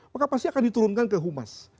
maka pasti akan diturunkan ke humas